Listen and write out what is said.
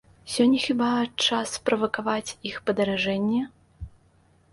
Сёння хіба час правакаваць іх падаражанне?